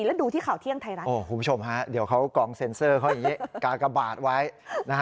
แล้วดูที่ข่าวเที่ยงไทรัฐโอ้คุณผู้ชมฮะเดี๋ยวกองเซ็นเซอร์เค้าอย่างนี้